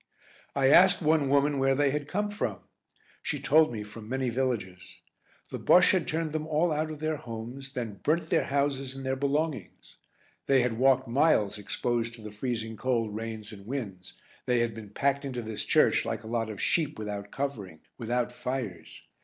I asked one women where they had come from. She told me from many villages. The Bosche had turned them all out of their homes, then burnt their houses and their belongings. They had walked miles exposed to the freezing cold rains and winds, they had been packed into this church like a lot of sheep without covering, without fires.